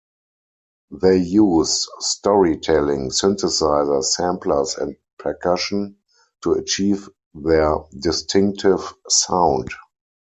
They use storytelling, synthesizers, samplers and percussion to achieve their distinctive sound.